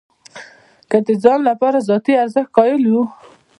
که د ځان لپاره ذاتي ارزښت قایل یو.